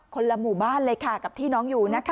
คนละหมู่บ้านเลยค่ะกับที่น้องอยู่นะคะ